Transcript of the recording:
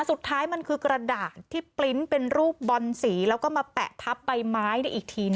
สุดท้ายมันคือกระดาษที่เป็นรูปบอลสีแล้วก็มาแปะทับใบไม้เนี้ยอีกทีนึง